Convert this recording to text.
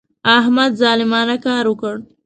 احمد ظالمانه کار وکړ.